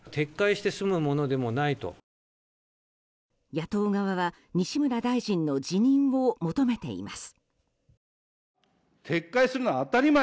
野党側は西村大臣の辞任を求めています。